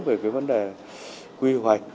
về cái vấn đề quy hoạch